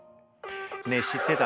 ねえ知ってた？